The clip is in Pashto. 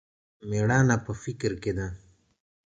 مېړانه په فکر کښې ده.